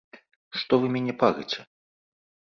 Што вы мяне парыце?